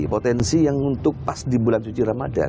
potensi yang untuk pas di bulan suci ramadan